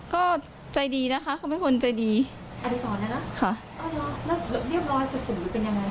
ก็ใจดีนะคะเขาเป็นคนใจดีอันดีสองนะคะค่ะอ๋อแล้วเรียบร้อยสุขุมหรือเป็นยังไง